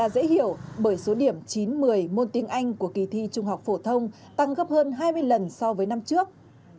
dễ hiểu bởi số điểm chín một mươi môn tiếng anh của kỳ thi trung học phổ thông tăng gấp hơn hai mươi lần so với năm trước